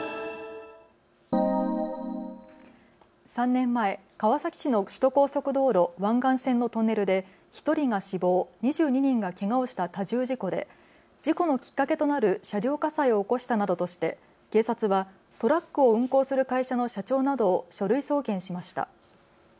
３年前、川崎市の首都高速道路湾岸線のトンネルで１人が死亡、２２人がけがをした多重事故で事故のきっかけとなる車両火災を起こしたなどとして警察はトラックを運行する会社の社長などを書類送検しました。